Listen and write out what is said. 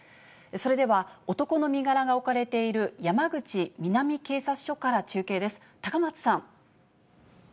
それでは、男の身柄が置かれている山口南警察署から中継です、高松さん。